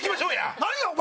何やお前！